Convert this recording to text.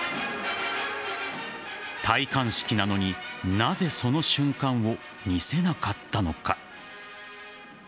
戴冠式なのになぜ、その瞬間を見せなかったのか。